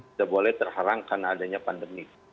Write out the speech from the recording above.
tidak boleh terharang karena adanya pandemi